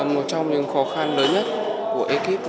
một trong những khó khăn lớn nhất của ekpt